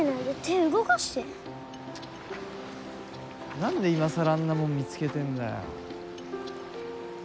何で今更あんなもん見つけてえんだよ。